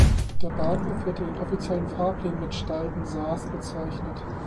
Der Bahnhof wird in den offiziellen Fahrplänen mit Stalden-Saas bezeichnet.